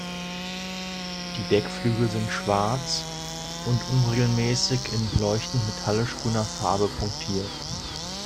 Die Deckflügel sind schwarz und unregelmäßig in leuchtend metallisch grüner Farbe punktiert.